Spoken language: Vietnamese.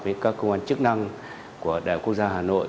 với các công an chức năng của đại quốc gia hà nội